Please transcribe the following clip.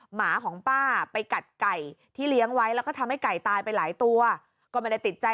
หมาของป้าไปกัดไก่ที่เลี้ยงไว้แล้วก็ทำให้ไก่ตายไปหลายตัวก็ไม่ได้ติดใจ